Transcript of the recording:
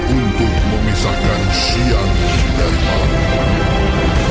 untuk memisahkan siang dari malam